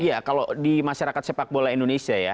iya kalau di masyarakat sepak bola indonesia ya